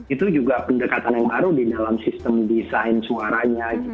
itu juga pendekatan yang baru di dalam sistem desain suaranya